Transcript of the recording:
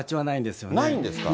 ないんですか。